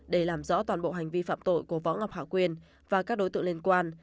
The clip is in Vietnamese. để làm rõ toàn bộ hành vi phạm tội của võ ngọc hạ quyên và các đối tượng liên quan